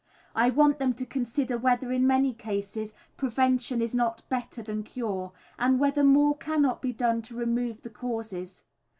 I want them to consider whether in many cases prevention is not better than cure, and whether more can not be done to remove the causes.